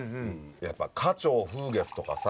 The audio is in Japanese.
やっぱ「花鳥風月」とかさ